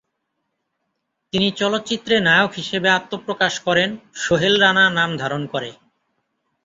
তিনি চলচ্চিত্রে নায়ক হিসেবে আত্মপ্রকাশ করেন সোহেল রানা নাম ধারণ করে।